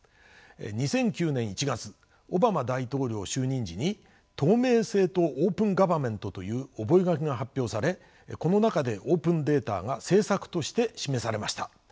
２００９年１月オバマ大統領就任時に「透明性とオープン・ガバメント」という覚書が発表されこの中でオープンデータが政策として示されました。